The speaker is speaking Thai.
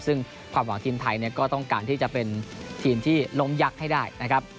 ซึ่งความหวังทีมไทยก็ต้องการที่จะเป็นทีมที่ล้มยักษ์ให้ได้นะครับ